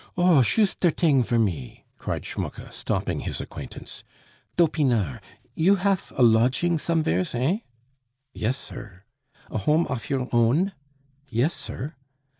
"Oh, shoost der ding for me!" cried Schmucke, stopping his acquaintance. "Dopinart! you haf a lodging someveres, eh?" "Yes, sir." "A home off your own?" "Yes, sir."